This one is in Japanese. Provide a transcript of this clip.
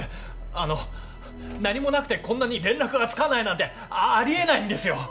あの何もなくてこんなに連絡がつかないなんてあり得ないんですよ！